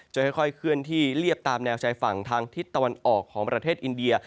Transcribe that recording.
จะค่อยเขื่นที่เรียบเนียวในเนื้อไชฝั่งทางทิศตะวันออกของประเทศอินเดีย